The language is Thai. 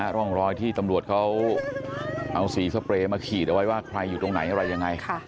ร่องรอยที่ตำรวจเขาเอาสีสเปรย์มาขีดเอาไว้ว่าใครอยู่ตรงไหนอะไรยังไง